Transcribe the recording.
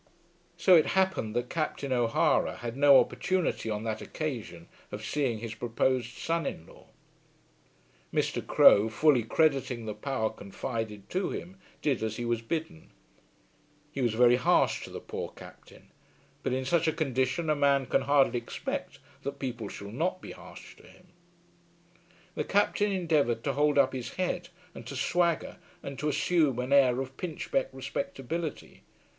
So it happened that Captain O'Hara had no opportunity on that occasion of seeing his proposed son in law. Mr. Crowe, fully crediting the power confided to him, did as he was bidden. He was very harsh to the poor Captain; but in such a condition a man can hardly expect that people should not be harsh to him. The Captain endeavoured to hold up his head, and to swagger, and to assume an air of pinchbeck respectability.